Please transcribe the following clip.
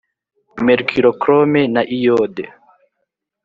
mercurochrome na iyode;